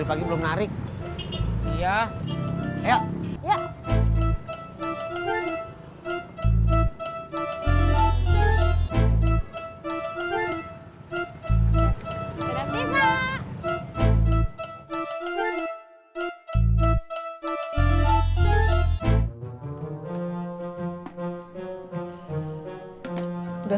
siapa yang mau nganterin bunga